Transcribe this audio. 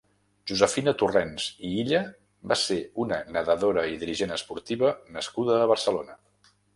Josefina Torrens i Illa va ser una nedadora i dirigent esportiva nascuda a Barcelona.